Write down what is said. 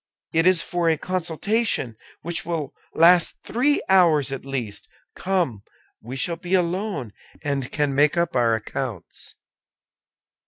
It is for a consultation, which will last three hours at least. Come! We shall be alone, and can make up our accounts."